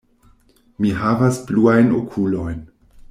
Mi havas bluajn okulojn.